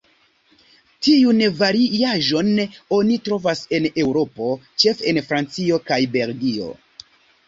Tiun variaĵon oni trovas en Eŭropo, ĉefe en Francio kaj Belgio.